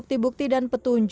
ketemu di pps